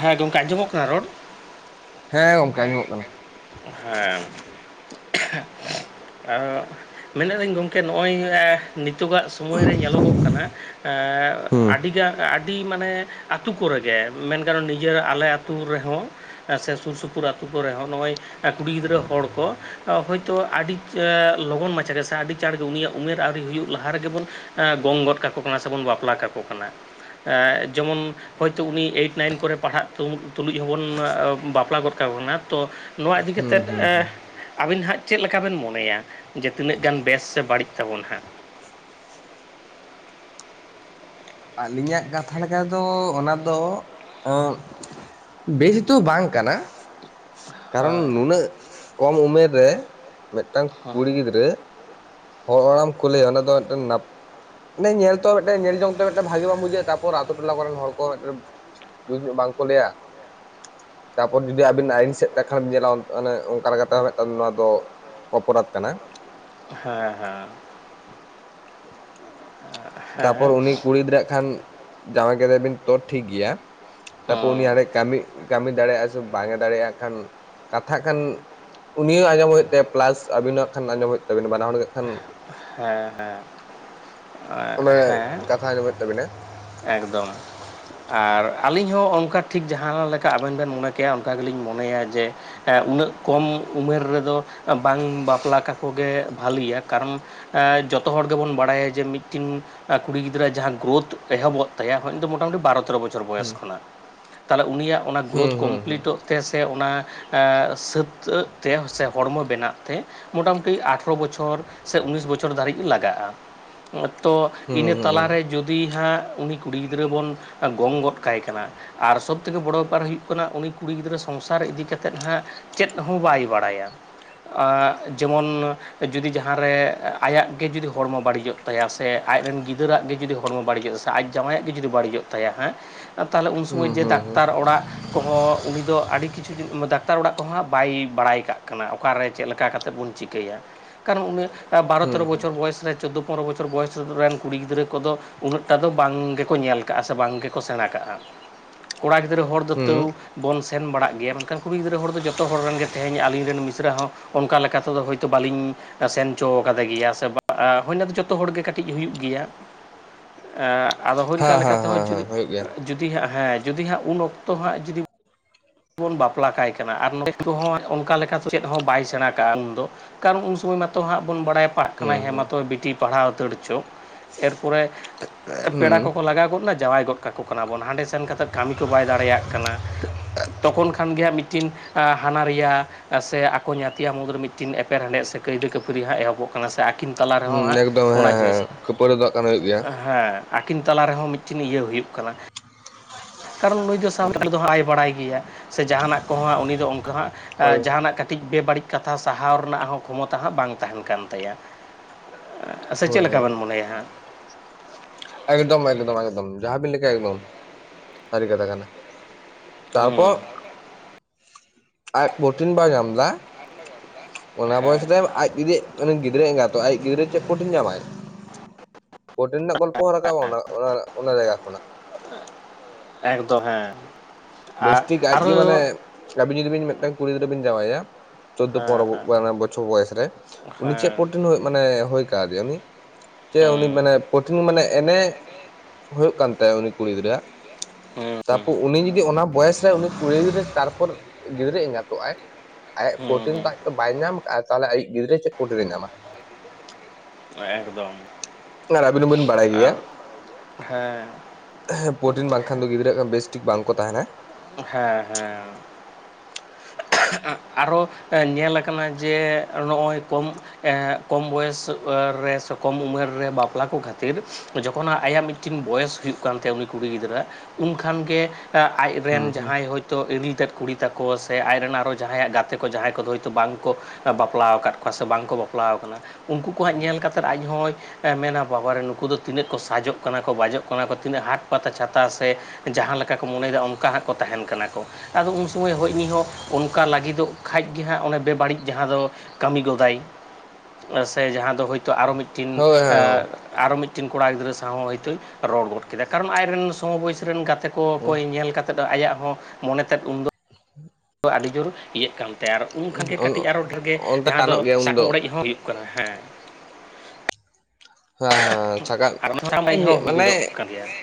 ᱦᱮᱸ, ᱜᱚᱝᱠᱮ ᱟᱸᱡᱚᱢᱚᱜ ᱠᱟᱱᱟ ᱨᱚᱲ? ᱦᱮᱸ ᱜᱳᱢᱠᱮ ᱟᱡᱚᱢᱚᱜ ᱠᱟᱱᱟ᱾ ᱦᱮᱸ, ᱢᱮᱱᱮᱫᱟᱞᱤᱧ ᱜᱚᱝᱠᱮ ᱱᱚᱜᱼᱚᱭ ᱮᱸᱼᱼ ᱱᱤᱛᱚᱜᱟᱜ ᱥᱚᱢᱚᱭ ᱨᱮ ᱧᱮᱞᱚᱜᱚᱜ ᱠᱟᱱᱟ ᱦᱩᱸ᱾ ᱟᱹᱰᱤᱜᱟᱱ ᱟᱹᱰᱤ ᱢᱟᱱᱮᱼᱼ ᱟᱛᱩ ᱠᱚᱨᱮᱜᱮ ᱢᱮᱱᱠᱷᱟᱱ ᱱᱤᱡᱮᱨ ᱟᱞᱮ ᱟᱛᱳ ᱨᱮᱦᱚᱸ, ᱥᱮ ᱥᱩᱨ ᱥᱩᱯᱩᱨ ᱟᱹᱛᱩ ᱠᱚᱨᱮ ᱦᱚᱸ ᱱᱚᱜᱼᱚᱭ ᱠᱩᱲᱤ ᱜᱤᱫᱽᱨᱟᱹ ᱦᱚᱲ ᱠᱚ, ᱦᱳᱭᱛᱳ ᱟᱹᱰᱤ ᱞᱚᱜᱚᱱ ᱢᱟᱪᱷᱟ ᱜᱮ ᱥᱮ ᱟᱹᱰᱤ ᱪᱟᱬ ᱜᱮ ᱩᱱᱤᱭᱟᱜ ᱩᱢᱮᱨ ᱟᱹᱣᱨᱤ ᱦᱩᱭᱩᱜ ᱞᱟᱦᱟ ᱨᱮᱜᱮ ᱵᱚᱱᱼᱼ ᱜᱚᱝ ᱜᱚᱫ ᱠᱟᱠᱚ ᱠᱟᱱᱟ ᱥᱮ ᱵᱚᱱ ᱵᱟᱯᱞᱟ ᱠᱟᱠᱚ ᱠᱟᱱᱟ ᱡᱮᱢᱚᱱ᱾ ᱦᱳᱭᱛᱳ ᱩᱱᱤ ᱮᱭᱤᱴ ᱱᱟᱭᱤᱱ ᱠᱚᱨᱮ ᱯᱟᱲᱦᱟᱜ ᱛᱩᱞᱩᱡ ᱦᱚᱸᱵᱚᱱ ᱵᱟᱯᱞᱟ ᱜᱚᱫ ᱠᱟᱠᱳ ᱠᱟᱱᱟ ᱛᱚᱼᱼ ᱱᱚᱣᱟ ᱤᱫᱤ ᱦᱩᱸ ᱠᱟᱛᱮᱫ ᱦᱩᱸ ᱮᱼᱼ ᱦᱩᱸ ᱟᱵᱤᱱ ᱦᱟᱸᱜ ᱪᱮᱫ ᱞᱮᱠᱟ ᱵᱤᱱ ᱢᱚᱱᱮᱭᱟ ᱡᱮ ᱛᱤᱱᱟᱹᱜ ᱜᱟᱱ ᱵᱮᱥ ᱥᱮ ᱵᱟᱹᱲᱤᱡ ᱛᱟᱵᱚᱱ ᱦᱟᱸᱜᱼᱼ ᱟᱹᱞᱤᱧᱟᱜ ᱠᱟᱛᱷᱟ ᱞᱮᱠᱟ ᱫᱚ ᱚᱱᱟ ᱫᱚᱼᱼ ᱵᱮᱥ ᱫᱚ ᱵᱟᱝ ᱠᱟᱱᱟ᱾ ᱠᱟᱨᱚᱱ ᱦᱳᱭ ᱱᱩᱱᱟᱹᱜ ᱠᱚᱢ ᱩᱢᱮᱨ ᱨᱮ ᱢᱤᱫᱴᱟᱱ ᱦᱳᱭ ᱠᱩᱲᱤ ᱜᱤᱫᱽᱨᱟᱹᱼᱼ ᱦᱚᱲ ᱚᱲᱟᱢ ᱮᱢ ᱠᱳᱞᱮᱭᱟ ᱚᱱᱟ ᱫᱚ ᱢᱤᱫᱴᱮᱱ ᱱᱟᱯ ᱢᱟᱱᱮ ᱧᱮᱞ ᱛᱚ ᱢᱤᱫᱴᱮᱱ ᱧᱮᱞ ᱡᱚᱝ, ᱧᱮᱞ ᱛᱮ ᱢᱤᱫᱴᱟᱹᱝ ᱵᱷᱟᱜᱤ ᱵᱟᱝ ᱵᱩᱡᱷᱟᱹᱜᱼᱟ ᱛᱟᱨᱯᱚᱨ ᱟᱛᱳ ᱴᱚᱞᱟ ᱠᱚᱨᱮᱱ ᱦᱚᱲ ᱠᱚ ᱢᱤᱫᱮᱱ ᱡᱩᱛ ᱧᱚᱜ ᱵᱟᱝᱠᱚ ᱞᱟᱹᱭᱟ᱾ ᱛᱟᱨᱯᱚᱨ ᱡᱩᱫᱤ ᱟᱵᱤᱱ ᱟᱹᱭᱤᱱ ᱥᱮᱫ ᱛᱮ ᱠᱷᱟᱱ ᱵᱤᱱ ᱧᱮᱞᱟ ᱮ ᱚᱱᱠᱟ ᱞᱮᱠᱟᱛᱮᱴ ᱱᱚᱣᱟ ᱫᱚ᱾ ᱚᱯᱚᱨᱟᱫᱷ ᱠᱟᱱᱟ᱾ ᱦᱮᱸ ᱦᱮᱸ᱾ ᱦᱮᱸ ᱛᱟᱯᱚᱨ ᱩᱱᱤ ᱠᱩᱲᱤᱜᱤᱫᱽᱨᱟᱹ ᱠᱷᱟᱱ ᱡᱟᱶᱟᱭ ᱠᱮᱫᱮ ᱵᱤᱱ ᱛᱚ ᱴᱷᱤᱠ ᱜᱮᱭᱟ᱾ ᱛᱟᱯᱚᱨ ᱩᱱᱤ ᱦᱩᱸ ᱦᱮ ᱠᱟᱹᱢᱤ ᱠᱟᱹᱢᱤ ᱫᱟᱲᱮᱭᱟᱜᱼᱟ ᱥᱮ ᱵᱟᱝ ᱮ ᱫᱟᱲᱮᱭᱟᱜᱼᱟ ᱠᱷᱟᱱ ᱠᱟᱛᱷᱟᱜ ᱠᱷᱟᱱ᱾ ᱩᱱᱤᱭ ᱦᱚᱸ ᱟᱸᱡᱚᱢ ᱦᱳᱭᱳᱜ ᱛᱟᱭᱟ ᱯᱞᱟᱥ ᱟᱵᱤᱱᱟᱜ ᱠᱷᱟᱱ ᱟᱸᱡᱚᱢ ᱦᱩᱭᱩᱜ ᱛᱟᱵᱤᱱᱟ ᱵᱟᱱᱟ ᱦᱚᱲ ᱜᱮ᱾ ᱠᱷᱟᱱ ᱦᱮᱸ ᱦᱮᱸ ᱚᱱᱮ ᱦᱮᱸ᱾ ᱠᱟᱛᱷᱟ ᱟᱸᱡᱚᱢ ᱦᱩᱭᱩᱜ ᱛᱟᱵᱤᱱᱟ ᱮᱠᱫᱚᱢ᱾ ᱟᱨ ᱟᱹᱞᱤᱧ ᱦᱚᱸ ᱚᱱᱠᱟ ᱴᱷᱤᱠ ᱡᱟᱦᱟᱸ ᱞᱮᱠᱟ ᱟᱵᱮᱱ ᱵᱮᱱ ᱢᱚᱱᱮ ᱠᱮᱜᱭᱟ ᱚᱱᱠᱟ ᱜᱮᱞᱤᱧ ᱢᱚᱱᱮᱭᱟ ᱡᱮᱼᱼ ᱩᱱᱟᱹᱜ ᱠᱚᱢ ᱩᱢᱮᱨ ᱨᱮᱫᱚ ᱵᱟᱝ ᱵᱟᱯᱞᱟ ᱠᱟᱠᱚ ᱜᱮ ᱵᱷᱟᱹᱞᱤᱭᱟ ᱠᱟᱨᱚᱱᱼᱼ ᱡᱚᱛᱚ ᱦᱚᱲ ᱜᱮᱵᱚᱱ ᱵᱟᱲᱟᱭᱟ ᱡᱮ ᱢᱤᱫᱴᱤᱱᱼᱼ ᱟᱨ ᱠᱩᱲᱤ ᱜᱤᱫᱽᱨᱟᱹ ᱡᱟᱦᱟᱸ ᱜᱳᱛᱷ ᱮᱦᱚᱵᱚᱜ ᱛᱟᱭᱟ ᱢᱚᱴᱟᱢᱩᱴᱤ ᱵᱟᱨ ᱛᱮᱨᱚ ᱵᱚᱪᱷᱚᱨ᱾ ᱵᱚᱪᱷᱚᱨ ᱵᱚᱭᱚᱥ ᱠᱷᱚᱱᱟᱜ ᱛᱟᱦᱚᱞᱮ ᱩᱱᱤᱭᱟᱜ ᱚᱱᱟ ᱦᱩᱸ ᱜᱨᱳᱛᱷ ᱦᱩᱸ ᱦᱩᱸ ᱠᱚᱢᱯᱞᱤᱴᱚᱜᱼᱼ ᱛᱮ ᱥᱮ ᱚᱱᱟ ᱥᱟᱹᱛᱟᱹᱜ ᱛᱮ ᱥᱮ ᱦᱚᱲᱢᱚ ᱵᱮᱱᱟᱜ ᱛᱮ ᱢᱚᱴᱟᱢᱩᱴᱤ ᱟᱴᱼᱼ ᱟᱴᱷᱨᱚ ᱵᱚᱪᱷᱚᱨ ᱥᱮ ᱩᱱᱤᱥ ᱵᱚᱪᱷᱚᱨ ᱫᱷᱟᱹᱨᱤᱡ ᱞᱟᱜᱟᱜᱼᱟ᱾ ᱛᱚ ᱦᱩᱸ ᱤᱱᱟᱹ ᱦᱩᱸ ᱛᱟᱞᱟᱨᱮ ᱡᱩᱫᱤ ᱦᱟᱸᱜ ᱩᱱᱤ ᱠᱩᱲᱤ ᱜᱤᱫᱽᱨᱟᱹ ᱵᱚᱱ᱾ ᱜᱚᱝ ᱜᱚᱫ ᱠᱟᱭ ᱠᱟᱱᱟ ᱟᱨ ᱥᱚᱵᱽ ᱛᱷᱮᱠᱮ ᱵᱚᱲᱚ ᱵᱮᱯᱟᱨ ᱦᱩᱭᱩᱜ ᱠᱟᱱᱟ ᱩᱱᱤᱼᱼ ᱠᱩᱲᱤ ᱜᱤᱫᱽᱨᱟᱹ ᱥᱚᱝᱥᱟᱨ ᱤᱫᱤ ᱠᱟᱛᱮᱫ ᱦᱟᱸᱜ ᱪᱮᱫ ᱦᱚᱸ ᱵᱟᱭ ᱵᱟᱲᱟᱭᱟ᱾ ᱟᱸᱜ ᱡᱮᱢᱚᱱᱼᱼ ᱡᱩᱫᱤ ᱡᱟᱦᱟᱸ ᱨᱮ ᱟᱭᱟᱜ ᱜᱮ ᱡᱩᱫᱤ ᱦᱚᱲᱢᱚ ᱵᱟᱹᱲᱤᱡᱚᱜ ᱛᱟᱭᱟ ᱥᱮ ᱟᱡᱨᱮᱱ ᱜᱤᱫᱽᱟᱹᱨᱟᱜ ᱜᱮ ᱡᱩᱫᱤ ᱦᱚᱲᱢᱚ ᱵᱟᱹᱲᱤᱡᱚᱜᱼᱟ ᱥᱮᱼᱼ ᱟᱡ ᱡᱟᱣᱟᱭᱟᱜ ᱜᱮ ᱡᱩᱫᱤ ᱵᱟᱹᱲᱤᱡᱚᱜ ᱦᱮᱸ ᱛᱟᱦᱚᱞᱮ ᱩᱱ ᱥᱚᱢᱚᱭ ᱡᱮ ᱦᱩᱸ ᱦᱩᱸ ᱰᱟᱠᱛᱟᱨ ᱚᱲᱟᱜᱼᱼ ᱠᱚᱦᱚᱸ ᱩᱱᱤ ᱫᱚ ᱟᱹᱰᱤ ᱠᱤᱪᱷᱩ ᱰᱟᱠᱛᱟᱨ ᱚᱲᱟᱜ ᱠᱚᱦᱟᱸᱜ ᱵᱟᱭ ᱵᱟᱲᱟᱭ ᱠᱟᱜ ᱠᱟᱱᱟ ᱚᱠᱟᱨᱮ ᱪᱮᱫ ᱞᱮᱠᱟ ᱠᱟᱛᱮᱫ ᱵᱚᱱᱼᱼ ᱪᱤᱠᱟᱹᱭᱟ ᱠᱟᱨᱚᱱ ᱩᱱᱤ ᱵᱟᱨᱚ ᱦᱩᱸ ᱛᱮᱨᱚ ᱦᱩᱸ ᱵᱚᱪᱚᱨ ᱵᱚᱭᱮᱥ ᱨᱮ ᱪᱳᱫᱫᱳᱼᱼ ᱯᱚᱱᱨᱚ ᱵᱚᱪᱷᱚᱨ ᱵᱚᱭᱮᱥᱨᱮ ᱨᱮᱱ ᱠᱩᱲᱤ ᱜᱤᱫᱽᱨᱟᱹ ᱠᱚᱫᱚ᱾ ᱩᱱᱟᱹᱜ ᱴᱟ ᱫᱚ ᱵᱟᱝ ᱜᱮᱠᱚ ᱧᱮᱞ ᱠᱟᱜᱼᱟ ᱥᱮ ᱵᱟᱝ ᱜᱮᱠᱚ ᱥᱮᱬᱟ ᱠᱟᱜᱼᱟ᱾ ᱠᱚᱲᱟ ᱜᱤᱫᱽᱨᱟᱹ ᱦᱚᱲ ᱦᱩᱸ ᱫᱚᱛᱟᱹᱣᱼᱼ ᱵᱚᱱ ᱥᱮᱱ ᱵᱟᱲᱟᱜ ᱜᱮᱭᱟ ᱢᱮᱱᱠᱷᱟᱱ ᱠᱩᱲᱤ ᱜᱤᱫᱽᱨᱟᱹ ᱦᱚᱲ ᱫᱚ ᱡᱚᱛᱚ ᱦᱚᱲ ᱨᱮᱱ ᱜᱮ ᱛᱮᱦᱮᱧ ᱟᱹᱞᱤᱧ ᱨᱮᱱ ᱢᱤᱥᱨᱟ ᱦᱚᱸᱼᱼ ᱚᱱᱠᱟ ᱞᱮᱠᱟ ᱛᱮᱫᱚ ᱦᱳᱭᱛᱳ ᱵᱟᱹᱞᱤᱧᱼᱼ ᱥᱮᱱ ᱦᱚᱪᱚ ᱠᱟᱫᱮ ᱜᱮᱭᱟ ᱥᱮ ᱦᱩᱭᱱᱟ ᱫᱚ ᱡᱚᱛᱚ ᱦᱚᱲᱜᱮ ᱠᱟᱹᱴᱤᱡ ᱦᱩᱭᱩᱜ ᱜᱮᱭᱟ᱾ ᱟᱫᱚ ᱦᱳᱭ ᱚᱱᱠᱟ ᱦᱮᱸ ᱞᱮᱠᱟ ᱦᱮᱸ ᱦᱮᱸ ᱦᱮᱸ ᱛᱮᱦᱚᱸᱩᱤ ᱦᱩᱭᱩᱜ ᱜᱮᱭᱟ ᱡᱩᱫᱤ ᱦᱟᱸᱜ ᱦᱮᱸ ᱡᱩᱫᱤ ᱦᱟᱸᱜ ᱩᱱ ᱚᱠᱛᱚ ᱦᱟᱸᱜ ᱡᱩᱫᱤ, ᱵᱚᱱ ᱵᱟᱯᱞᱟ ᱠᱟᱭ ᱠᱟᱱᱟ ᱟᱨ ᱱᱚᱛ ᱠᱚᱦᱚᱸ ᱚᱱᱠᱟ ᱞᱮᱠᱟ ᱞᱮᱠᱟᱛᱮ ᱪᱮᱫ ᱦᱚᱸ ᱵᱟᱭ ᱥᱮᱬᱟ ᱠᱟᱜᱼᱟ ᱩᱱᱫᱚ᱾ ᱠᱟᱨᱚᱱ ᱩᱱ ᱥᱚᱢᱚᱭ ᱢᱟᱛᱚ ᱦᱟᱸᱜ ᱵᱚᱱ ᱵᱟᱲᱟᱭ ᱯᱟᱲᱟᱜ ᱠᱟᱱᱟ ᱦᱩᱸ ᱦᱮᱸ ᱦᱩᱸ ᱢᱟᱛᱚ ᱵᱤᱴᱤ ᱯᱟᱲᱦᱟᱣ ᱩᱛᱟᱹᱲ ᱦᱚ ᱪᱚ᱾ ᱮᱨᱯᱚᱨᱮ [unintelligible] ᱦᱩᱸ ᱯᱮᱲᱟ ᱠᱚᱠᱚ ᱞᱟᱜᱟᱣ ᱜᱚᱫᱱᱟ ᱡᱟᱶᱟᱭ ᱜᱚᱫ ᱠᱟᱠᱚ ᱠᱟᱱᱟ ᱵᱚᱱ ᱦᱟᱸᱰᱮ ᱥᱮᱱ ᱠᱟᱛᱮᱫ ᱠᱟᱹᱢᱤ ᱠᱚ ᱵᱟᱭ ᱫᱟᱲᱮᱭᱟᱜ ᱠᱟᱱᱟ [unintelligible] ᱛᱚᱠᱷᱚᱱ ᱠᱷᱟᱱ ᱜᱮᱭᱟ ᱢᱤᱫᱴᱤᱱ ᱦᱟᱱᱟ ᱨᱮᱭᱟ ᱥᱮ ᱟᱠᱚ ᱧᱟᱛᱭᱟᱜ ᱢᱩᱫᱽᱨᱮ ᱢᱤᱫᱴᱤᱱ ᱮᱯᱮᱨᱦᱮᱰᱮᱫ ᱥᱮ ᱠᱟᱹᱭᱫᱟᱹ ᱠᱟᱹᱯᱟᱹᱨᱤ ᱦᱟᱸᱜ ᱮᱦᱚᱵᱚᱜ ᱠᱟᱱᱟ ᱥᱮ ᱟᱹᱠᱤᱱ᱾ ᱛᱟᱞᱟ ᱦᱩᱸ ᱨᱮᱦᱚᱸ ᱦᱟᱸᱜ ᱮᱠᱫᱚᱢ ᱚᱱᱟ ᱦᱮᱸ ᱦᱮᱸ ᱡᱤᱱᱤᱥ ᱠᱷᱟᱹᱯᱟᱹᱨᱤ ᱫᱚ ᱦᱟᱸᱜ ᱠᱷᱟᱱ ᱦᱩᱭᱩᱜ ᱜᱮᱭᱟ ᱦᱮᱸ ᱟᱹᱠᱤᱱ ᱛᱟᱞᱟ ᱨᱮᱦᱚᱸ ᱢᱤᱫᱴᱤᱱ ᱤᱭᱟᱹ ᱦᱩᱭᱩᱜ ᱠᱟᱱᱟ᱾ ᱠᱟᱨᱚᱱ ᱱᱩᱭ ᱫᱚ ᱥᱟᱶ ᱦᱩᱸ [unintelligible] ᱫᱚ ᱟᱭ ᱵᱟᱲᱟᱭ ᱜᱮᱭᱟ ᱥᱮ ᱡᱟᱦᱟᱱᱟᱜ ᱠᱚᱦᱟᱸᱜ ᱩᱱᱤ ᱫᱚ ᱚᱱᱠᱟ ᱦᱟᱸᱜ᱾ ᱦᱳᱭ ᱡᱟᱦᱟᱱᱟᱜ ᱠᱟᱹᱴᱤᱡ ᱵᱮᱵᱟᱹᱲᱤᱡ ᱠᱟᱛᱷᱟ ᱥᱟᱦᱟᱣ ᱨᱮᱱᱟᱜ ᱦᱚᱸ ᱠᱷᱚᱢᱚᱛᱟ ᱦᱚᱜ ᱵᱟᱝ ᱛᱟᱦᱮᱱ ᱠᱟᱱ ᱛᱟᱭᱟ᱾ ᱟᱪᱪᱷᱟ ᱦᱳᱭ ᱪᱮᱫ ᱞᱮᱠᱟ ᱦᱳᱭ ᱵᱮᱱ ᱢᱚᱱᱮᱭᱟ ᱦᱟᱸᱜ? ᱮᱠᱫᱚᱢ ᱮᱠᱫᱚᱢ ᱮᱠᱫᱚᱢ ᱡᱟᱦᱟᱸᱵᱤᱱ ᱞᱮᱠᱟ ᱮᱠᱫᱚᱢ ᱥᱟᱹᱨᱤ ᱠᱟᱛᱷᱟ ᱠᱟᱱᱟ᱾ ᱛᱟᱨᱯᱚᱨ ᱦᱮᱸ [unintelligible] ᱟᱡ ᱵᱳᱴᱤᱱ ᱵᱟᱭ ᱧᱟᱢ ᱮᱫᱟ ᱚᱱᱟ ᱦᱮᱸ ᱵᱚᱭᱚᱥᱛᱮ ᱟᱡ ᱡᱩᱫᱤ ᱩᱱᱤ ᱜᱤᱫᱽᱨᱟᱹ ᱮᱸᱜᱟᱛᱜ ᱟᱡ ᱜᱤᱫᱽᱨᱟᱹ ᱪᱮᱫ ᱠᱳᱴᱤᱧ ᱧᱟᱢᱟᱭ᱾ ᱵᱳᱴᱤᱱ ᱨᱮᱱᱟᱜ ᱜᱚᱞᱯᱚ ᱦᱚᱸ ᱨᱟᱠᱟᱵᱟ ᱚᱱᱟ ᱚᱱᱟ [unintelligible] ᱡᱟᱭᱜᱟ ᱠᱷᱚᱱᱟᱜ ᱮᱠᱫᱚᱢ ᱦᱮᱸ᱾ ᱟᱨ ᱵᱮᱥᱴᱷᱤᱠ ᱟᱡᱜᱮ ᱢᱟᱱᱮ ᱟᱨᱚ ᱟᱵᱤᱱ ᱡᱩᱫᱤ ᱵᱤᱱ ᱢᱤᱫᱴᱮᱱ ᱠᱩᱲᱤ ᱜᱤᱫᱽᱨᱟᱹ ᱵᱤᱱ ᱡᱟᱶᱟᱭᱟ ᱪᱳᱫᱫᱳ ᱦᱮᱸ ᱯᱚᱱᱮᱨᱚ ᱦᱮᱸ ᱜᱟᱱ ᱵᱚᱪᱷᱚᱨ ᱵᱚᱭᱮᱥ ᱨᱮ ᱩᱱᱤ ᱪᱮᱫ ᱦᱮᱸ ᱯᱨᱚᱴᱤᱱ ᱢᱟᱱᱮ ᱦᱳᱭ ᱠᱟᱫᱮᱭᱟ ᱩᱱᱤ ᱡᱮ ᱩᱱᱤ ᱢᱟᱱᱮ ᱯᱨᱴᱷᱤᱱ ᱢᱟᱱᱮ ᱮᱱᱮ ᱦᱩᱭᱩᱜ ᱠᱟᱱ ᱛᱟᱭᱟ ᱩᱱᱤ ᱠᱩᱲᱤ ᱜᱤᱫᱽᱨᱟᱹ ᱣᱟᱜ ᱦᱮᱸ ᱛᱟᱯᱚᱨ ᱩᱱᱤ ᱡᱩᱫᱤ ᱚᱱᱟ ᱵᱚᱭᱮᱥ ᱨᱮ ᱩᱱᱤ ᱠᱩᱲᱤ ᱜᱤᱫᱽᱨᱟᱹ ᱛᱟᱨᱯᱚᱨ ᱜᱤᱫᱽᱨᱟᱹ ᱮᱸᱜᱟᱛ ᱚᱜᱟᱭ ᱟᱭᱟᱜ ᱦᱮᱸ ᱯᱨᱚᱴᱤᱱ ᱦᱮᱸ ᱛᱚ ᱟᱡ ᱛᱚ ᱵᱟᱭ ᱧᱟᱢ ᱠᱟᱜᱟ ᱛᱟᱦᱚᱞᱮ ᱟᱭᱤᱡ ᱜᱤᱫᱽᱨᱟᱹ ᱪᱮᱫ ᱯᱨᱳᱴᱤ ᱮ ᱧᱟᱢᱟ? ᱮᱠᱫᱚᱢ ᱟᱨ ᱟᱹᱵᱤᱱ ᱦᱚᱸ ᱵᱤᱱ ᱵᱟᱲᱟᱭ ᱜᱮᱭᱟ, ᱟᱨ ᱦᱮᱸ ᱦᱮᱸ ᱯᱨᱳᱚᱴᱤᱱ ᱵᱟᱝᱠᱷᱟᱱ ᱫᱚ ᱜᱤᱫᱽᱨᱟᱹ ᱦᱟᱜ ᱠᱷᱟᱱ ᱵᱮᱥᱴᱷᱤᱠ ᱵᱟᱝ ᱠᱚ ᱛᱟᱦᱮᱱᱟ ᱾ ᱦᱮᱸ ᱦᱮᱸ ᱟᱨᱚ ᱧᱮᱞᱟᱠᱟᱱᱟ ᱡᱮ ᱱᱚᱜᱚᱭ ᱠᱚᱢ ᱠᱚᱢ ᱵᱚᱭᱮᱥ ᱨᱮ ᱥᱮ ᱠᱚᱢ ᱩᱢᱮᱨ ᱨᱮ ᱵᱟᱯᱞᱟ ᱠᱚ ᱠᱷᱟᱹᱛᱤᱨ ᱡᱚᱠᱷᱚᱱᱟᱜ ᱟᱭᱟᱜ ᱢᱤᱫᱴᱮᱱ ᱢᱤᱫᱴᱤᱱ ᱵᱚᱭᱮᱥ ᱦᱩᱭᱩᱜ ᱠᱟᱱ ᱛᱟᱭᱟ ᱩᱱᱤ ᱠᱩᱲᱤ ᱜᱤᱫᱽᱨᱟᱹ ᱩᱱ ᱠᱷᱟᱱ ᱜᱮ ᱟᱡ ᱦᱩᱸ ᱨᱮᱱ ᱦᱩᱸ ᱡᱟᱦᱟᱸᱭ ᱦᱳᱭ ᱛᱚ ᱤᱨᱤᱞᱛᱮᱫ ᱠᱩᱲᱤ ᱛᱟᱠᱚ ᱥᱮ ᱥᱮ ᱟᱡᱨᱮᱱ ᱟᱨᱚ ᱡᱟᱦᱟᱸ ᱭᱟᱜ ᱜᱟᱛᱮ ᱠᱚ ᱡᱟᱦᱟᱭ ᱠᱚᱫᱚ ᱦᱳᱭ ᱛᱚ ᱵᱟᱝ ᱠᱚ ᱵᱟᱯᱞᱟ ᱟᱠᱟᱫ ᱠᱚᱣᱟ ᱥᱮ ᱵᱟᱝ ᱠᱚ ᱵᱟᱯᱞᱟᱣ ᱟᱠᱟᱱᱟ ᱾ ᱩᱱᱠᱩ ᱠᱚᱣᱟᱜ ᱧᱮᱞ ᱠᱟᱛᱮᱫ ᱟᱡ ᱦᱚᱭ ᱢᱮᱱᱟ ᱵᱟᱵᱟ ᱨᱮ ᱱᱩᱠᱩ ᱫᱚ ᱛᱤᱱᱟᱹᱜ ᱠᱚ ᱥᱟᱡᱚᱜ ᱠᱟᱱᱟ ᱠᱚ ᱵᱟᱡᱚᱜ ᱠᱟᱱᱟ ᱠᱚ ᱛᱤᱱᱟᱹᱜ ᱦᱟᱴ ᱯᱟᱛᱟ ᱪᱷᱟᱛᱟ ᱥᱮ ᱡᱟᱦᱟᱸ ᱞᱮᱠᱟ ᱠᱚ ᱢᱚᱱᱮᱭᱟ ᱚᱱᱠᱟ ᱦᱟᱜ ᱠᱚ ᱛᱟᱦᱮᱱ ᱠᱟᱱᱟ ᱠᱚ ᱟᱫᱚ ᱩᱱ ᱥᱚᱢᱚᱭ ᱦᱟᱜ ᱩᱱᱤ ᱦᱚᱸ ᱚᱱᱠᱟ ᱞᱟᱜᱤᱫᱚᱜ ᱠᱷᱟᱱᱡ ᱜᱮ ᱦᱟᱜ ᱚᱱᱮ ᱵᱮᱵᱟᱹᱲᱤᱡ ᱡᱟᱦᱟᱸ ᱫᱚ ᱠᱟᱢᱤ ᱜᱚᱫᱟᱭ ᱾ ᱥᱮ ᱡᱟᱦᱟᱸ ᱫᱚ ᱦᱳᱭ ᱛᱚ ᱟᱨᱚ ᱢᱤᱫᱴᱤᱱ ᱦᱳᱭ ᱟᱨᱚ ᱢᱤᱫᱴᱤᱱ ᱠᱚᱲᱟ ᱜᱤᱫᱽᱨᱟᱹ ᱥᱟᱶ ᱦᱚᱸ ᱦᱚᱭ ᱛᱚᱭ ᱨᱚᱲ ᱜᱚᱫ ᱠᱮᱫᱟ ᱠᱟᱨᱚᱱ ᱟᱡᱨᱮᱱ ᱥᱚᱢ ᱵᱚᱭᱮᱥ ᱨᱮᱱ ᱜᱟᱛᱮ ᱠᱚ ᱠᱚᱭ ᱧᱮᱞ ᱠᱟᱛᱮ ᱟᱭᱟᱜ ᱦᱚᱸ ᱢᱚᱱᱮ ᱛᱮᱫ ᱟᱹᱰᱤ ᱡᱳᱨ ᱤᱭᱟᱹᱜ ᱠᱟᱱ ᱛᱟᱭᱟ ᱟᱨ ᱩᱱ ᱠᱷᱟᱱᱜᱮ ᱦᱳᱭ ᱠᱟᱹᱴᱤᱡ ᱟᱨᱚ ᱰᱷᱮᱨᱜᱮ ᱚᱱᱛᱮ ᱡᱟᱦᱟᱸ ᱫᱚ ᱴᱟᱱᱚᱜ ᱜᱮᱭᱟ ᱥᱟᱠᱟᱢ ᱩᱱᱫᱚ ᱚᱲᱮᱡ ᱦᱚᱸ ᱦᱩᱭᱩᱜ ᱠᱟᱱᱟ ᱦᱮᱸ᱾ ᱦᱮᱸ ᱦᱮᱸ ᱥᱟᱠᱟᱢ ᱟᱨ ᱚᱱᱟ ᱥᱟᱠᱟᱢ ᱚᱲᱮᱡ ᱦᱚᱸ [unintelligible] ᱦᱩᱭ ᱢᱟᱱᱮ ᱜᱚᱫᱚᱜ ᱠᱟᱱ ᱜᱮᱭᱟ [unintelligible]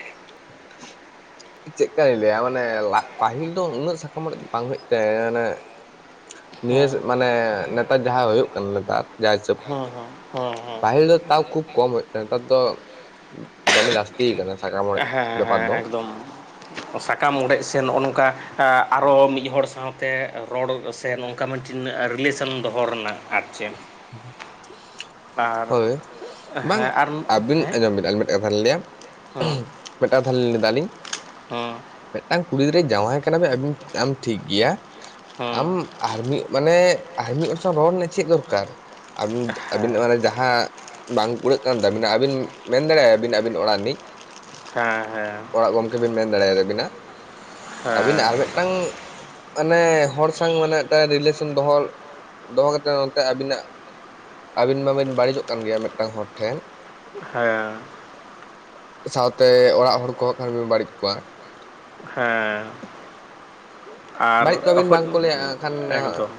ᱪᱮᱜᱠᱟᱭ ᱞᱟᱹᱭᱟ ᱢᱟᱱᱮ ᱯᱟᱹᱦᱤᱞ ᱫᱚ ᱩᱱᱟᱹᱜ ᱥᱟᱠᱟᱢ ᱚᱲᱮᱡ ᱫᱚ ᱵᱟᱝ ᱦᱩᱭᱩᱜ ᱛᱟᱦᱮᱜ ᱢᱟᱱᱮ ᱱᱮᱥ ᱦᱮᱸ ᱢᱟᱱᱮ ᱱᱮᱛᱟᱨ ᱡᱟᱦᱟᱸ ᱦᱩᱭᱩᱜ ᱠᱟᱱᱟ ᱱᱮᱛᱟᱨ ᱡᱟ ᱦᱤᱥᱟᱹᱵ ᱦᱮᱸ ᱦᱮᱸ ᱦᱮᱸ ᱯᱟᱹᱦᱤᱞ ᱫᱚ ᱛᱟᱣ ᱠᱷᱩᱵ ᱠᱚᱢ ᱦᱚᱭᱚᱜ ᱱᱮᱛᱟᱨ ᱫᱚ ᱫᱚᱢᱮ ᱡᱟᱹᱥᱛᱤ ᱭᱟᱠᱟᱱᱟ ᱥᱟᱠᱟᱢ ᱦᱮᱸ ᱦᱮᱸ ᱵᱮᱯᱟᱨ ᱦᱮᱸ ᱫᱚ ᱾ ᱮᱠᱫᱚᱢ ᱥᱟᱠᱟᱢ ᱚᱲᱮᱡ ᱥᱮ ᱱᱚᱜ-ᱚ ᱱᱚᱝᱠᱟ ᱟᱨᱚ ᱢᱤᱫ ᱦᱚᱲ ᱥᱟᱶᱛᱮ ᱨᱚᱲ ᱥᱮ ᱱᱚᱝᱠᱟ ᱢᱤᱫᱴᱤᱱ ᱨᱤᱞᱮᱥᱚᱱ ᱫᱚᱦᱚ ᱨᱮᱱᱟᱜ ᱟᱨ ᱪᱮᱫ, ᱦᱮᱸ [inaudible] ᱟᱨ ᱦᱳᱭ ᱵᱟᱝ ᱦᱮᱸ ᱟᱨ ᱦᱮᱸ ᱦᱮᱸ ᱦᱮᱸ ᱦᱮᱸ ᱦᱮᱸ ᱦᱮᱸ ᱦᱮᱸ ᱟᱹᱵᱤᱱ ᱟᱹᱡᱚᱢ ᱵᱤᱱ ᱟᱨ ᱢᱤᱫᱴᱮᱱ ᱠᱟᱛᱷᱟ ᱞᱤᱧ ᱞᱟᱹᱭᱟ ᱾ ᱢᱤᱫᱴᱟᱝ ᱠᱟᱛᱷᱟ ᱞᱤᱧ ᱞᱟᱹᱭ ᱫᱟ ᱟᱹᱞᱤᱧ ᱾ ᱦᱚᱸ ᱢᱤᱫᱴᱟᱝ ᱠᱩᱲᱤ ᱜᱤᱫᱽᱨᱟ ᱡᱟᱶᱟᱭ ᱟᱠᱟᱱᱟ ᱵᱮᱱ ᱟᱹᱵᱤᱱ ᱟᱢ ᱴᱷᱤᱠ ᱜᱮᱭᱟ ᱟᱢ ᱟᱨ ᱢᱤᱫ ᱢᱟᱱᱮ ᱟᱨ ᱢᱤᱫ ᱦᱚᱲ ᱥᱟᱶ ᱨᱚᱲ ᱨᱮᱱᱟᱜ ᱪᱮᱫ ᱫᱚᱨᱠᱟᱨ ᱟᱹᱵᱤᱱ ᱟᱹᱵᱤᱱᱟᱜ ᱢᱟᱱᱮ ᱡᱟᱦᱟ ᱦᱮᱸ ᱵᱟᱝ ᱠᱩᱲᱟᱹᱜ ᱠᱟᱱ ᱛᱟᱹᱵᱤᱱᱟ ᱟᱹᱵᱤᱱ ᱢᱮᱱ ᱫᱟᱲᱮᱭᱟᱜ-ᱟ ᱵᱤᱱ ᱟᱹᱵᱤᱱ ᱚᱲᱟᱜ ᱨᱤᱱᱤᱡ ᱚᱲᱟᱜ ᱜᱚᱝᱠᱮ ᱵᱤᱱ ᱢᱮᱱ ᱫᱟᱲᱮᱭᱟᱭ ᱛᱟᱹᱵᱤᱱᱟ ᱟᱹᱵᱤᱱᱟᱜ ᱟᱨ ᱢᱤᱫᱴᱟᱝ ᱢᱟᱱᱮ ᱦᱚᱲ ᱥᱟᱝ ᱢᱟᱱᱮ ᱢᱤᱫᱴᱟᱱ ᱨᱤᱞᱮᱥᱚᱱ ᱫᱚᱦᱚ ᱫᱚᱦᱚ ᱠᱟᱛᱮᱫ ᱱᱚᱛᱮ ᱟᱹᱵᱤᱱᱟᱜ ᱟᱹᱵᱤᱱ ᱢᱟᱹᱵᱤᱱ ᱵᱟᱹᱲᱤᱡᱚᱜ ᱠᱟᱱ ᱜᱮᱭᱟ ᱢᱤᱫᱴᱟᱝ ᱦᱚᱲ ᱴᱷᱮᱱ ᱦᱮᱸ ᱥᱟᱶᱛᱮ ᱚᱲᱟᱜ ᱦᱚᱲ ᱠᱚᱦᱚᱸ ᱠᱷᱟᱱ ᱵᱮᱱ ᱵᱟᱹᱲᱤᱡ ᱠᱚᱣᱟ ᱾ ᱦᱮᱸ ᱟᱨ ᱵᱟᱹᱲᱤᱡ ᱠᱚᱣᱟᱵᱤᱱ ᱚᱦᱚᱧ ᱵᱟᱝᱠᱚ ᱞᱟᱹᱭᱟ ᱠᱷᱟᱱ ᱮᱠᱫᱚᱢ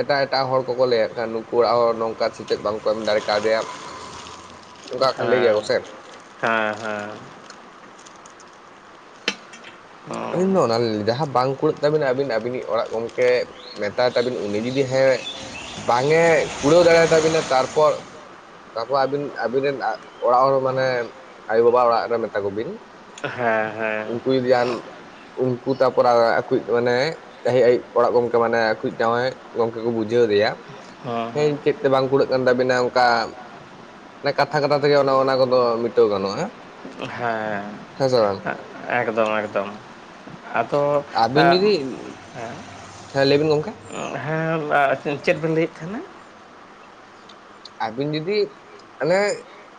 ᱮᱴᱟᱜ ᱮᱴᱟᱜ ᱦᱚᱲ ᱠᱚᱠᱚ ᱞᱟᱹᱭᱟᱜ ᱠᱟᱱ ᱱᱩᱠᱩ ᱚᱲᱟᱜ ᱦᱚᱲ ᱱᱚᱝᱠᱟ ᱥᱮᱪᱮᱫ ᱵᱟᱝ ᱠᱚ ᱮᱢ ᱫᱟᱲᱮ ᱠᱟᱣᱫᱮᱭᱟ ᱾ ᱦᱮᱸ ᱦᱮᱸ ᱦᱮᱸ ᱦᱚᱸ ᱟᱹᱞᱤᱧ ᱫᱚ ᱚᱱᱟᱞᱤᱧ ᱞᱟᱹᱭ ᱫᱟ ᱡᱟᱦᱟᱸ ᱵᱟᱝ ᱠᱩᱲᱟᱹᱜ ᱛᱟᱹᱵᱤᱱᱟ ᱟᱹᱵᱤᱱ ᱟᱹᱵᱤᱱᱤᱡ ᱚᱲᱟᱜ ᱜᱚᱢᱠᱮ ᱢᱮᱛᱟᱭ ᱛᱟᱹᱵᱤᱱ ᱩᱱᱤ ᱡᱩᱫᱤ ᱦᱮᱸ ᱵᱟᱝ ᱮ ᱠᱩᱲᱟᱹᱣ ᱫᱟᱲᱮᱭᱟ ᱛᱟᱹᱵᱤᱱᱟ ᱛᱟᱨᱯᱚᱨ ᱛᱟᱯᱚᱨ ᱟᱹᱵᱤᱱ ᱟᱹᱵᱤᱱ ᱨᱮᱱ ᱚᱲᱟᱜ ᱦᱚᱲ ᱢᱟᱱᱮ ᱟᱭᱳ ᱵᱟᱵᱟ ᱚᱲᱟᱜ ᱨᱮ ᱢᱮᱛᱟ ᱠᱚ ᱵᱤᱱ ᱦᱮᱸ ᱦᱮᱸ ᱤᱫᱟᱱ [inaudible] ᱩᱱᱠᱩ ᱛᱟᱯᱚᱨᱮ ᱟᱨ ᱟᱹᱠᱩᱭᱤᱡ ᱢᱟᱱᱮ, [unintelligible] ᱚᱲᱟᱜ ᱜᱚᱝᱠᱮ ᱢᱟᱱᱮ ᱟᱠᱚᱭᱤᱡ ᱡᱟᱶᱟᱭ ᱜᱚᱝᱠᱮ ᱠᱚ ᱵᱩᱡᱷᱟᱹᱣ ᱫᱮᱭᱟ ᱦᱮᱸᱧ ᱪᱮᱫ, ᱛᱮ‌ ᱵᱟᱝ ᱠᱩᱲᱟᱹᱜ ᱠᱟᱱ ᱛᱟᱹᱵᱤᱱᱟ ᱢᱟᱱᱮ ᱚᱱᱠᱟ ᱠᱟᱛᱷᱟ ᱠᱟᱛᱷᱟ ᱛᱮᱜᱮ ᱚᱱᱟ ᱠᱚᱫᱚ ᱢᱮᱴᱟᱹᱣ ᱜᱟᱱᱚᱜ-ᱟ᱾ ᱦᱮᱸ ᱮᱠᱫᱚᱢ ᱮᱠᱫᱚᱢ ᱟᱫᱚ ᱟᱹᱵᱤᱱ ᱦᱮᱸ ᱡᱩᱫᱤ ᱦᱮᱸ ᱞᱟᱹᱭ ᱵᱤᱱ ᱜᱚᱢᱠᱮ ᱦᱮᱸ ᱟᱪᱪᱷᱟ ᱪᱮᱫ ᱵᱮᱱ ᱞᱟᱹᱭᱮᱫ ᱛᱟᱦᱮᱱᱟ? ᱟᱹᱵᱤᱱ ᱡᱩᱫᱤ ᱢᱟᱱᱮ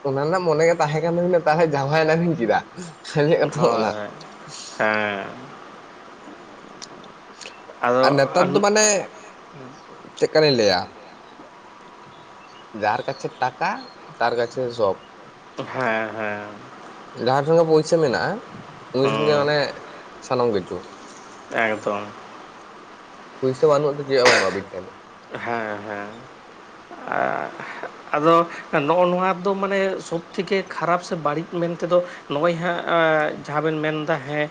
ᱚᱱᱟ ᱨᱮᱱᱟᱜ ᱢᱚᱱᱮ ᱜᱮ ᱛᱟᱦᱮᱸ ᱠᱟᱱ ᱛᱟᱹᱵᱤᱱᱟ ᱛᱟᱦᱚᱞᱮ ᱡᱟᱶᱟᱭᱮ ᱱᱟᱵᱤᱱ ᱪᱮᱫᱟᱜ, ᱥᱟᱨᱤ ᱱᱚ ᱦᱳᱭ, ᱦᱮᱸ, ᱠᱷᱟᱛᱟ ᱚᱱᱟ [inaudible] ᱟᱫᱚ ᱟᱨ ᱱᱮᱛᱟᱨ ᱫᱚ ᱢᱟᱱᱮ ᱪᱮᱫ ᱠᱟ ᱞᱤᱧ ᱞᱟᱹᱭᱟ ᱡᱟᱨ ᱠᱟᱪᱷᱮ ᱴᱟᱠᱟ ᱛᱟᱨ ᱠᱟᱪᱷᱮ ᱥᱚᱵ᱾ ᱦᱮᱸ ᱦᱮᱸ ᱡᱟᱦᱟᱸᱭ ᱴᱷᱮᱱ ᱜᱮ ᱯᱚᱭᱥᱟ ᱢᱮᱱᱟᱜ-ᱟ ᱩᱱᱤ ᱴᱷᱮᱱ ᱜᱮ ᱢᱟᱱᱮ ᱥᱟᱱᱟᱢ ᱠᱤᱪᱷᱩ᱾ ᱮᱠᱫᱚᱢ ᱯᱩᱭᱥᱟᱹ ᱵᱟᱹᱱᱩᱜ-ᱟ ᱛᱮ ᱪᱮᱫ ᱦᱚᱸ ᱵᱟᱹᱱᱩᱜ-ᱟ ᱟᱹᱵᱤᱱ ᱴᱷᱮᱱ᱾ ᱦᱮᱸ ᱦᱮᱸ ᱟᱜ ᱟᱫᱚ ᱱᱚᱜ-ᱚ ᱱᱚᱣᱟ ᱫᱚ ᱢᱟᱱᱮ ᱥᱚᱵ ᱛᱷᱮᱠᱮ ᱠᱷᱟᱨᱟᱯ ᱥᱮ ᱵᱟᱹᱲᱤᱡ ᱢᱮᱱ ᱛᱮᱫᱚ ᱱᱚᱜ-ᱚᱭ ᱦᱟᱸᱜ ᱡᱟᱦᱟᱸ ᱵᱮᱱ ᱢᱮᱱ ᱮᱫᱟ ᱦᱮᱸ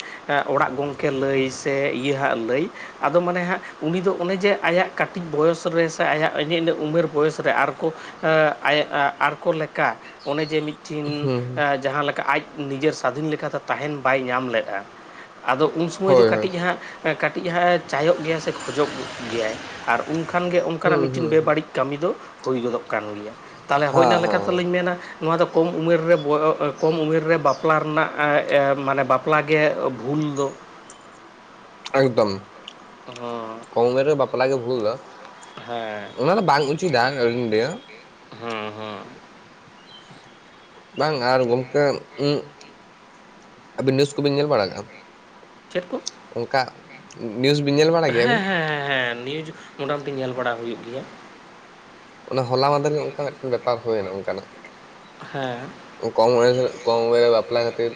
ᱚᱲᱟᱜ ᱜᱚᱝᱠᱮ ᱞᱟᱹᱭ ᱥᱮ ᱤᱹᱹ ᱤᱭᱟᱹ ᱦᱟᱸᱜ ᱞᱟᱹᱭ ᱟᱫᱚ ᱢᱟᱱᱮ ᱦᱟᱸᱜ ᱩᱱᱤ ᱫᱚ ᱚᱱᱮ ᱡᱮ ᱟᱭᱟᱜ ᱵᱚᱭᱚᱥ ᱨᱮ ᱥᱮ ᱟᱭᱟᱜ ᱤᱱᱟᱹ ᱤᱱᱟᱹ ᱩᱢᱮᱨ ᱵᱚᱭᱮᱥ ᱨᱮ ᱟᱨᱠᱚ ᱟᱹ ᱟᱭᱮ ᱟ ᱟᱨᱠᱚ ᱞᱮᱠᱟ ᱚᱱᱮ ᱡᱮ ᱢᱤᱫᱴᱤᱱ ᱦᱩᱸ ᱡᱟᱦᱟᱸ ᱞᱮᱠᱟ ᱟᱡ ᱱᱤᱡᱮᱨ ᱥᱟᱫᱷᱤᱱ ᱞᱮᱠᱟᱛᱮ ᱛᱟᱦᱮᱱ ᱵᱟᱭ ᱧᱟᱢ ᱞᱮᱫ-ᱟ ᱟᱫᱚ ᱩᱱ ᱥᱚᱢᱚᱭ ᱫᱚ ᱦᱳᱭ ᱦᱳᱭ ᱠᱟᱹᱴᱤᱡ ᱦᱟᱸᱜ ᱠᱟᱹᱴᱤᱡ ᱦᱟᱸᱜ ᱮ ᱪᱟᱭᱚᱜ ᱜᱮᱭᱟ ᱥᱮ ᱠᱷᱚᱡᱚᱜ ᱜᱮᱭᱟᱭ ᱟᱨ ᱩᱱ ᱠᱷᱟᱱᱜᱮ ᱦᱩᱸ ᱚᱱᱠᱟᱱᱟᱜ ᱢᱤᱫᱴᱤᱱ ᱦᱩᱸ ᱦᱩᱸ ᱵᱮᱵᱟᱹᱲᱤᱡ ᱠᱟᱹᱢᱤ ᱫᱚ ᱦᱳᱭ ᱜᱚᱫᱚᱜ ᱠᱟᱱ ᱜᱮᱭᱟ ᱛᱟᱦᱚᱞᱮ ᱦᱳᱭ ᱦᱮᱸ ᱚᱱᱟ ᱞᱮᱠᱟ ᱦᱮᱸ ᱛᱮᱞᱤᱧ ᱢᱮᱱᱟ ᱱᱚᱣᱟ ᱫᱚ ᱠᱚᱢ ᱩᱢᱮᱨ ᱨᱮ ᱵᱚᱭᱚ ᱠᱚᱢ ᱩᱢᱮᱨ ᱨᱮ ᱵᱟᱯᱞᱟ ᱨᱮᱱᱟᱜ ᱢᱟᱱᱮ ᱵᱟᱯᱞᱟᱜᱮ ᱵᱷᱩᱞ ᱫᱚ ᱾ ᱮᱠᱫᱚᱢ, ᱦᱚᱸ ᱠᱚᱢ ᱩᱢᱮᱨ ᱨᱮ ᱵᱟᱯᱞᱟ ᱜᱮ ᱵᱷᱩᱞ ᱫᱚ ᱦᱮᱸ ᱚᱱᱟ ᱫᱚ ᱵᱟᱝ ᱩᱪᱤᱛᱟ ᱟᱹᱞᱤᱧ ᱞᱮᱭᱟ ᱾ ᱦᱚᱸ ᱦᱚᱸ ᱵᱟᱝ ᱟᱨ ᱜᱚᱝᱠᱮ ᱟᱹᱵᱤᱱ ᱱᱤᱣᱩᱡ ᱠᱚᱵᱤᱱ ᱧᱮᱞ ᱵᱟᱲᱟ ᱠᱟᱜ-ᱟ? ᱪᱮᱫ ᱠᱚ? ᱚᱱᱠᱟ ᱱᱤᱭᱩᱡ ᱵᱤᱱ ᱧᱮᱞ ᱵᱟ ᱦᱮᱸ ᱦᱮᱸ ᱦᱮᱸ ᱦᱮᱸ ᱱᱤᱭᱩᱡ ᱢᱚᱴᱟ ᱢᱩᱴᱤ ᱧᱮᱞ ᱵᱟᱲᱟ ᱦᱩᱭᱩᱜ ᱜᱮᱭᱟ᱾ ᱚᱱᱟ ᱦᱚᱞᱟ ᱢᱟᱸᱫᱮᱨ ᱜᱮ ᱚᱱᱠᱟ ᱢᱤᱫᱴᱮᱱ ᱵᱮᱯᱟᱨ ᱦᱩᱭᱱᱟ ᱚᱱᱠᱟᱱᱟᱜ ᱾ ᱦᱮᱸ, ᱠᱚᱢ ᱵᱚᱭᱚᱥ ᱨᱮ ᱠᱚᱢ ᱵᱚᱭᱚᱨᱮ ᱵᱟᱯᱞᱟ ᱠᱟᱛᱮᱫ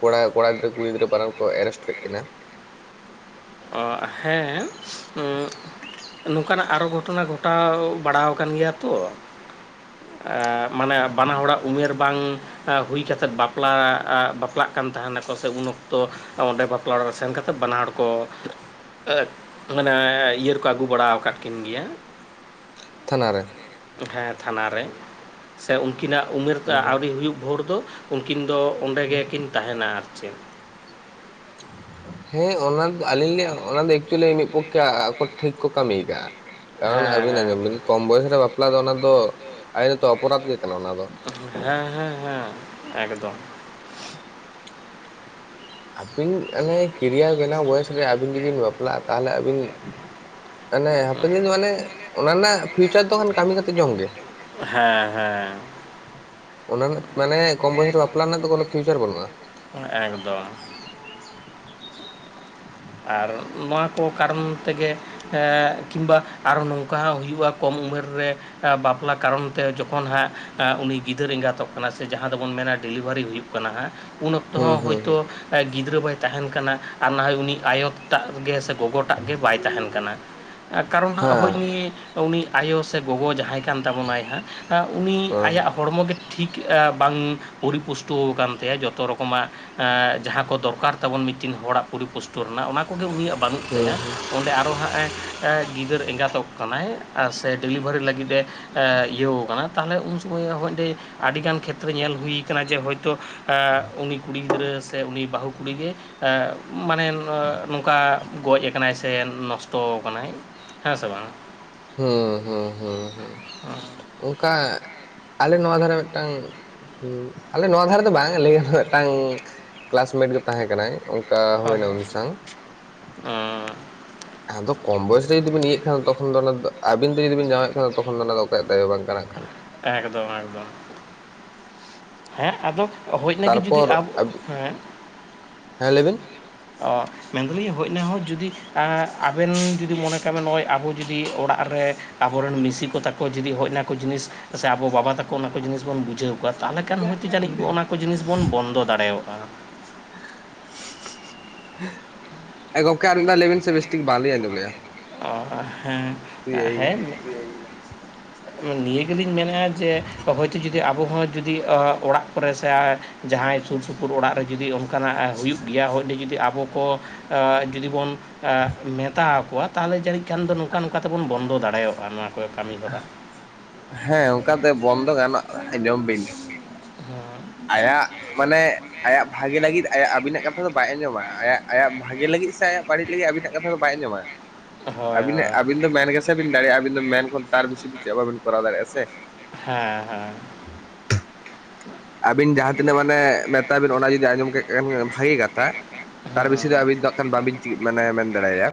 ᱠᱚᱲᱟ ᱠᱚᱲᱟ ᱜᱤᱫᱽᱟᱹ ᱠᱩᱤ ᱜᱤᱫᱽᱨ ᱵᱟᱱᱟᱨ ᱠᱚ ᱮᱨᱮᱥᱴ ᱠᱮᱫ ᱠᱤᱱᱟ ᱾ ᱚ ᱦᱮ ᱱᱚᱝᱠᱟᱱᱟᱜ ᱟᱨᱚ ᱜᱷᱚᱴᱚᱱᱟ ᱜᱷᱚᱴᱟᱣ ᱵᱟᱲᱟ ᱠᱟᱱ ᱜᱮᱭᱟ ᱛᱚ ᱾ ᱢᱟᱱᱮ ᱵᱟᱱᱟ ᱦᱚᱲᱟᱜ ᱩᱢᱮᱨ ᱵᱟᱝ ᱦᱩᱭ ᱠᱟᱛᱮᱫ ᱵᱟᱯ ᱵᱟᱯᱞᱟ ᱵᱟᱯᱞᱟᱜ ᱠᱟᱱ ᱛᱟᱦᱮᱱᱟᱠᱚ ᱥᱮ ᱩᱱ ᱚᱠᱛᱚ ᱚᱸᱰᱮ ᱵᱟᱯᱞᱟ ᱚᱲᱟᱜ ᱨᱮ ᱥᱮᱱ ᱠᱟᱛᱮ ᱵᱟᱱᱟ ᱦᱚᱲ ᱠᱚ ᱢᱟᱱᱮ ᱤᱭᱟᱹ ᱨᱮᱠᱚ ᱟᱹᱜᱩ ᱵᱟᱲᱟ ᱠᱟᱫ ᱠᱤᱱ ᱜᱮᱭᱟ᱾ ᱛᱷᱟᱱᱟ ᱨᱮ, ᱦᱮᱸ ᱛᱷᱟᱱᱟ ᱨᱮ ᱥᱮ ᱩᱱᱠᱤᱱᱟᱜ ᱩᱢᱮᱨ ᱟᱹᱣᱨᱤ ᱦᱳᱭᱩᱜ ᱵᱷᱳᱨ ᱫᱚ ᱩᱱᱠᱤᱱ ᱫᱚ ᱚᱸᱰᱮ ᱜᱮᱠᱤᱱ ᱛᱟᱦᱮᱱᱟ ᱟᱨ ᱪᱮᱫ ᱾ ᱦᱮᱸ ᱚᱱᱟ ᱫᱚ ᱟᱹᱞᱤᱧ ᱞᱤᱧ ᱚᱱᱟ ᱫᱚ ᱮᱠᱪᱩᱭᱮᱞᱤ ᱢᱤᱫ ᱯᱚᱠᱷᱮ ᱟᱠ ᱴᱷᱤᱠ ᱠᱚ ᱠᱟᱹᱢᱤᱭ ᱟᱠᱟᱜᱼᱟ ᱠᱟᱨᱚᱱ ᱦᱮᱸ ᱟᱹᱵᱤᱱ ᱦᱮᱸ ᱟᱸᱡᱚᱢ ᱵᱤᱱ, ᱠᱚᱢ ᱵᱚᱭᱮᱥ ᱨᱮ ᱵᱟᱯᱞᱟ ᱫᱚ ᱚᱱᱟ ᱫᱚ ᱟᱭᱤ ᱱᱚᱛᱚ ᱚᱯᱚᱨᱟᱫᱷᱚ ᱜᱮ ᱠᱟᱱᱟ ᱚᱱᱟ ᱫᱚ ᱾ ᱦᱮᱸ ᱦᱮᱸ ᱦᱮᱸ ᱮᱠᱫᱚᱢ ᱾ ᱟᱹᱵᱤᱱ ᱚᱱᱮ ᱠᱮᱨᱤᱭᱟᱨ ᱵᱮᱱᱟᱣ ᱵᱚᱭᱮᱥ ᱨᱮ ᱟᱹᱵᱤᱱ ᱡᱩᱫᱤ ᱵᱤᱱ ᱵᱟᱯᱞᱟᱜᱼᱟ ᱛᱟᱦᱚᱞᱮ ᱟᱹᱵᱤᱱ ᱢᱟᱱᱮ ᱦᱟᱯᱮᱱ ᱫᱤᱱ ᱢᱟᱱᱮ ᱚᱱᱟ ᱨᱮᱱᱟᱜ ᱯᱷᱤᱭᱩᱪᱟᱨ ᱫᱚ ᱠᱷᱟᱱ ᱠᱟᱹᱢᱤ ᱠᱟᱛᱮᱜ ᱡᱚᱢ ᱜᱮ ᱾ ᱦᱮᱸ ᱦᱮᱸ ᱚᱱᱟ ᱨᱮᱱᱟᱜ ᱢᱟᱱᱮ ᱠᱚᱢ ᱵᱚᱭᱮᱥ ᱨᱮ ᱵᱟᱯᱞᱟ ᱨᱮᱱᱟᱜ ᱫᱚ ᱠᱚᱱᱳ ᱯᱷᱤᱭᱩᱪᱟᱨ ᱵᱟᱹᱱᱩᱜᱼᱟ ᱾ ᱮᱠᱫᱚᱢ [inaudible] ᱟᱨ ᱱᱚᱣᱟ ᱠᱚ ᱠᱟᱨᱚᱱ ᱛᱮᱜᱮ, ᱦᱮᱸ ᱠᱤᱝᱵᱟ ᱟᱨᱚᱷᱚ ᱱᱚᱝᱠᱟ ᱦᱚᱸ ᱦᱩᱭᱩᱜᱼᱟ ᱠᱚᱢ ᱩᱢᱮᱨ ᱨᱮ, ᱵᱟᱯᱞᱟ ᱠᱟᱨᱚᱱ ᱛᱮ ᱡᱚᱠᱷᱚᱱ ᱦᱟᱸᱜ, ᱩᱱᱤ ᱜᱤᱫᱟᱹᱨ ᱮᱸᱜᱟᱛᱚᱜ ᱠᱟᱱᱟ ᱥᱮ ᱡᱟᱦᱟᱸ ᱫᱚᱵᱚᱱ ᱢᱮᱱᱟ ᱰᱮᱞᱤᱵᱷᱟᱨᱤ ᱦᱩᱭᱩᱜ ᱠᱟᱱᱟ ᱦᱟᱸᱜ, ᱩᱱ ᱚᱠᱛᱚ ᱦᱩᱸ ᱦᱚᱸ ᱦᱩᱸ ᱦᱚᱭᱛᱚ ᱦᱩᱸ ᱜᱤᱫᱽᱨᱟᱹ ᱵᱟᱭ ᱛᱟᱦᱮᱱ ᱠᱟᱱᱟ ᱟᱨ ᱱᱟᱦᱚᱭ ᱩᱱᱤ ᱟᱭᱳ ᱴᱟᱜ ᱜᱮ ᱥᱮ ᱜᱚᱜᱚ -ᱴᱟᱜ ᱜᱮ ᱵᱟᱭ ᱛᱟᱦᱮᱱ ᱠᱟᱱᱟ ᱠᱟᱨᱚᱱ ᱦᱮᱸ ᱦᱳᱭ ᱱᱤᱭᱟᱹ ᱩᱱᱤ ᱟᱭᱳ ᱥᱮ ᱜᱚᱜᱚ ᱡᱟᱦᱟᱸᱭ ᱠᱟᱱ ᱛᱟᱵᱚᱱᱟᱭ ᱦᱟᱸᱜ ᱩᱱᱤ ᱦᱮᱸ ᱟᱭᱟᱜ ᱦᱚᱲᱢᱚ ᱜᱮ, ᱴᱷᱤᱠ ᱵᱟᱝ ᱯᱚᱨᱤᱯᱩᱥᱴᱚ ᱟᱠᱟᱱ ᱛᱟᱭᱟ ᱡᱚᱛᱚ ᱨᱚᱠᱚᱢᱟᱜ ᱾ ᱮᱜᱸᱡᱟᱦᱟᱸ ᱠᱚ ᱫᱚᱨᱠᱟᱨ ᱛᱟᱵᱚᱱ ᱢᱤᱫᱴᱤᱱ ᱦᱚᱲᱟᱜ ᱯᱚᱨᱤᱯᱩᱥ -ᱴᱳ ᱨᱮᱱᱟᱜ ᱚᱱᱟ ᱠᱚᱜᱮ ᱩᱱᱤᱭᱟᱜ ᱵᱟᱹᱱᱩᱜ ᱛᱟᱭᱟ ᱚᱸᱰᱮ ᱟᱨᱚ ᱦᱟᱸᱜᱼᱮ ᱜᱤᱫᱟᱹᱨ ᱮᱸᱜᱟᱛᱚᱜ ᱠᱟᱱᱟᱭ᱾ ᱥᱮ ᱰᱮᱞᱤᱵᱷᱟᱨᱤ ᱞᱟᱹᱜᱤᱫ ᱮ ᱤᱭᱟᱹᱣ ᱠᱟᱱᱟ ᱛᱟᱦᱚᱞᱮ ᱩᱱ ᱥᱚᱢᱚᱭ ᱦᱚᱸ ᱟᱹᱰᱤ ᱜᱟᱱ ᱠᱷᱮᱛᱨᱮ ᱧᱮᱞ ᱦᱩᱭ ᱠᱟᱱᱟ ᱡᱮ ᱦᱚᱭᱛᱳ ᱮᱸ ᱩᱱᱤ ᱠᱩᱲᱤ ᱜᱤᱫᱽᱨᱟᱹ ᱥᱮ ᱩᱱᱤ ᱵᱟᱹᱦᱩ ᱠᱩᱲᱤ ᱜᱮ ᱮ ᱢᱟᱱᱮ ᱱᱚᱝᱠᱟ ᱜᱚᱡ ᱠᱟᱱᱟᱭ ᱥᱮ ᱱᱚᱥᱴᱚ ᱠᱟᱱᱟᱭ ᱦᱮᱸ ᱥᱮ ᱵᱟᱝ ᱦᱩᱸ ᱦᱩᱸ ᱦᱩᱸ ᱦᱩᱸ ᱚᱱᱠᱟ ᱟᱞᱮ ᱱᱚᱣᱟ ᱫᱷᱟᱨᱮ ᱢᱤᱫᱴᱟᱝ ᱦᱩᱸ ᱟᱞᱮ ᱱᱚᱣᱟ ᱫᱷᱟᱨᱮ ᱫᱚ ᱵᱟᱝ ᱟᱞᱤᱧ ᱨᱮᱱ ᱢᱤᱫᱴᱟᱝ ᱠᱮᱞᱟᱥᱢᱮᱴ ᱜᱮ ᱛᱟᱦᱮᱸ ᱠᱟᱱᱟᱭ᱾ ᱚᱱᱠᱟ ᱦᱳᱭᱱᱟ ᱩᱱᱤ ᱥᱟᱝ ᱦᱩᱸ ᱟᱫᱚ ᱠᱚᱢ ᱵᱚᱭᱮᱥ ᱛᱮ ᱡᱩᱫᱤ ᱵᱤᱱ ᱤᱭᱟᱹᱜ ᱠᱷᱟᱱ ᱛᱚᱠᱷᱚᱱ ᱫᱚ ᱚᱱᱟ ᱟᱵᱤᱱ ᱛᱮ ᱡᱩᱫᱤ ᱵᱤᱱ ᱡᱟᱶᱟᱸᱭᱚᱜ ᱠᱷᱟᱱ ᱛᱚᱠᱷᱚᱱ ᱫᱚ ᱚᱱᱟ ᱫᱚ ᱚᱠᱚᱭᱟᱜ ᱫᱟᱭᱤ ᱦᱚᱸ ᱵᱟᱝ ᱠᱟᱱᱟ ᱮᱠᱷᱟᱱ ᱮᱠᱫᱚᱢ ᱮᱠᱫᱚᱢ ᱦᱮᱸ ᱟᱫᱚ ᱦᱳᱭ ᱤᱱᱟ ᱜᱮ ᱡᱩᱫᱤ ᱛᱟᱨᱯᱚᱨ ᱟᱵᱚ ᱦᱮᱸ ᱦᱮᱸ ᱞᱟᱹᱭ ᱵᱤᱱ ᱚ ᱢᱮᱱᱫᱟᱞᱤᱧ ᱦᱳᱭ ᱤᱱᱟᱦᱚᱸ ᱡᱩᱫᱤ ᱮᱸ ᱟᱵᱮᱱ ᱡᱩᱫᱤ ᱢᱚᱱᱮ ᱠᱟᱱᱟ ᱱᱚᱜᱼᱚᱭ ᱟᱵᱚ ᱡᱩᱫᱤ ᱚᱲᱟᱜ ᱨᱮ ᱟᱵᱚᱨᱮᱱ ᱢᱤᱥᱤ ᱠᱚ ᱛᱟᱠᱚ ᱡᱩᱫᱤ ᱦᱚᱭ ᱚᱱᱟᱠᱚ ᱡᱤᱱᱤᱥ ᱠᱚᱥᱮ ᱟᱵᱚ ᱵᱟᱵᱟ ᱛᱟᱠᱚ ᱚᱱᱟ ᱠᱚ ᱡᱤᱱᱤᱥ ᱵᱚᱱ ᱵᱩᱡᱷᱟᱹᱣ ᱠᱚᱣᱟ ᱛᱟᱦᱚᱞᱮ ᱠᱷᱟᱱ ᱦᱳᱭᱛᱳ ᱡᱟᱹᱱᱤᱡ ᱚᱱᱟ ᱠᱚ ᱡᱤᱱᱤᱥ ᱵᱚᱱ ᱵᱚᱱᱫᱚ ᱫᱟᱲᱮᱭᱟᱜᱼᱟ᱾ ᱮᱸ ᱜᱚᱝᱠᱮ ᱟᱨ ᱢᱤᱫ ᱫᱷᱟᱣ ᱞᱟᱹᱭᱵᱤᱱ ᱥᱮ ᱵᱮᱥᱴᱷᱤᱠ ᱵᱟᱝᱞᱤᱧ ᱟᱸᱡᱚᱢ ᱞᱮᱜᱼᱟ᱾ ᱚᱦᱚ ᱦᱮᱸ ᱛᱩᱭ ᱮᱭ ᱦᱮᱡ ᱜᱮᱞᱟ ᱱᱤᱭᱟᱹ ᱜᱮᱞᱤᱧ ᱢᱮᱱᱮᱜᱼᱟ ᱡᱮ ᱦᱳᱭᱛᱚ ᱡᱩᱫᱤ ᱟᱵᱚ ᱦᱚᱸ ᱡᱩᱫᱤ ᱚᱲᱟᱜ ᱠᱚᱨᱮ ᱥᱮ ᱡᱟᱦᱟᱸᱭ ᱥᱩᱨᱥᱩᱯᱩᱨ ᱚᱲᱟᱜ ᱡᱩᱫᱤ ᱚᱱ ᱠᱟᱱᱟ ᱟᱸ ᱦᱩᱭᱩᱜ ᱜᱮᱭᱟ ᱦᱳᱭ ᱚᱱᱰᱮ ᱡᱩᱫᱤ ᱟᱵᱚ ᱠᱚ ᱡᱩᱫᱤ ᱵᱚᱱ ᱢᱮᱛᱟ ᱟᱠᱚᱣᱟ ᱛᱟᱦᱚᱞᱮ ᱡᱟᱱᱹᱤᱡ ᱠᱷᱟᱱ ᱫᱚ ᱱᱚᱝᱠᱟ ᱱᱚᱝᱠᱟ ᱛᱮᱵᱚᱱ ᱵᱚᱱᱫᱚ ᱫᱟᱲᱮᱭᱟᱜᱼᱟ ᱱᱚᱣᱟ ᱠᱚ ᱠᱟᱹᱢᱤ ᱦᱚᱨᱟ᱾ ᱦᱮᱸ ᱚᱱᱠᱟᱛᱮ ᱵᱚᱱᱫᱚ ᱜᱟᱱᱚᱜ ᱟᱸᱡᱚᱢ ᱵᱤᱱ ᱦᱚᱸ ᱟᱭᱟᱜ ᱢᱟᱱᱮ ᱟᱭᱟᱜ ᱵᱷᱟᱜᱮ ᱞᱟᱹᱜᱤᱫ ᱟᱭᱟᱜ ᱟᱵᱤᱱᱟᱜ ᱠᱟᱛᱷᱟ ᱫᱚ ᱵᱟᱭ ᱟᱸᱡᱚᱢᱟ᱾ ᱟᱭᱟᱜ ᱟᱭᱟᱜ ᱵᱷᱟᱜᱮ ᱞᱟᱹᱜᱤᱫ ᱥᱮ ᱟᱭᱟᱜ ᱵᱟᱹᱲᱤᱡ ᱞᱟᱹᱜᱤᱫ ᱟᱵᱤᱱᱟᱜ ᱠᱟᱛᱷᱟ ᱫᱚ ᱵᱟᱭ ᱟᱡᱚᱢᱟ᱾ ᱦᱳᱭ ᱟᱹᱵᱤᱱ ᱦᱳᱭ ᱟᱹᱵᱤᱱ ᱫᱚ ᱢᱮᱱ ᱜᱮᱥᱮ ᱵᱤᱱ ᱫᱟᱲᱮᱭᱟᱜᱼᱟ ᱟᱹᱵᱤᱱ ᱫᱚ ᱢᱮᱱ ᱠᱷᱚᱱ ᱛᱟᱨ ᱵᱤᱥᱤ ᱪᱮᱫ ᱵᱟᱵᱤᱱ ᱠᱚᱨᱟᱣ ᱫᱟᱲᱮᱭᱟᱜᱼᱟ ᱥᱮ᱾ ᱦᱮᱸ ᱦᱮᱸ᱾ ᱟᱵᱤᱱ ᱡᱟᱦᱟᱸ ᱛᱤᱱᱟᱹᱜ ᱢᱟᱱᱮ ᱢᱮᱛᱟ ᱵᱤᱱ ᱚᱱᱟ ᱡᱩᱫᱤ ᱟᱸᱡᱚᱢ ᱠᱮᱫ ᱠᱷᱟᱱ ᱵᱷᱟᱜᱤ ᱠᱟᱛᱷᱟ᱾ ᱛᱟᱨ ᱦᱮᱸ ᱵᱮᱥᱤ ᱫᱚ ᱟᱹᱵᱤᱱ ᱫᱚ ᱦᱟᱸᱜ ᱠᱷᱟᱱ ᱵᱟᱵᱤᱱ ᱢᱟᱱᱮ ᱢᱮᱱ ᱫᱟᱲᱮᱟᱭᱟ᱾